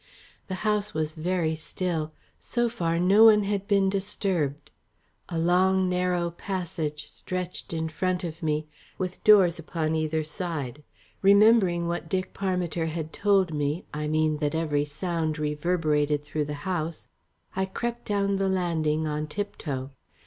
The house was very still; so far no one had been disturbed. A long narrow passage stretched in front of me, with doors upon either side. Remembering what Dick Parmiter had told me, I mean that every sound reverberated through the house, I crept down the landing on tiptoe.